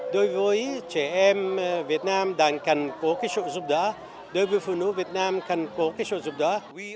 đối với trẻ em việt nam đang cần có cái sự giúp đỡ đối với phụ nữ việt nam cần có cái sự giúp đỡ